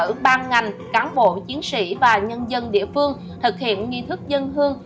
các ban ngành cán bộ chiến sĩ và nhân dân địa phương thực hiện nghi thức dân hương